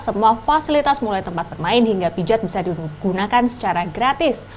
semua fasilitas mulai tempat bermain hingga pijat bisa digunakan secara gratis